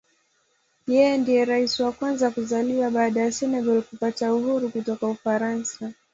Yeye ndiye Rais wa kwanza kuzaliwa baada ya Senegal kupata uhuru kutoka Ufaransa.